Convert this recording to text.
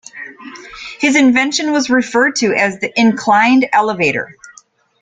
His invention was referred to as the inclined elevator.